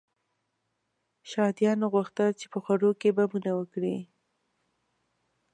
شهادیانو غوښتل چې په خوړ کې بمونه وکري.